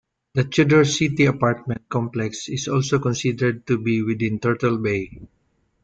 The Tudor City apartment complex is also considered to be within Turtle Bay.